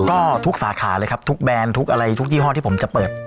ก็ทุกสาขาเลยครับทุกแบรนด์ทุกอะไรทุกยี่ห้อที่ผมจะเปิด